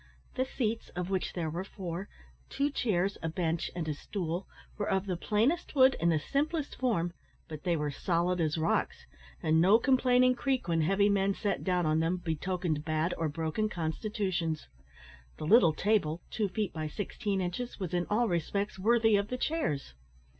The seats, of which there were four two chairs, a bench, and a stool were of the plainest wood, and the simplest form; but they were solid as rocks, and no complaining creak, when heavy men sat down on them, betokened bad or broken constitutions. The little table two feet by sixteen inches was in all respects worthy of the chairs.